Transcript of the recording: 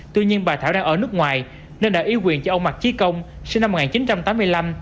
tuy nhiên bà thảo đang ở nước ngoài nên đã yêu quyền cho ông mạc chí công sinh năm một nghìn chín trăm tám mươi năm